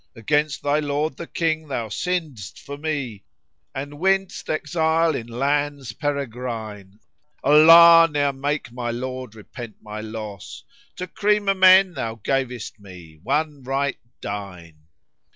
Against thy lord the King thou sinn'dst for me, * And winnedst exile in lands peregrine: Allah ne'er make my lord repent my loss * To cream[FN#60] o' men thou gavest me, one right digne."